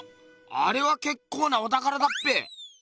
あれはけっこうなおたからだっぺ。